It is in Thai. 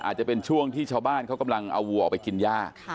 อาจจะเป็นช่วงที่ชาวบ้านเขากำลังเอาวัวออกไปกินย่า